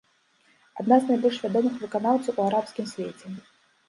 Адна з найбольш вядомых выканаўцаў у арабскім свеце.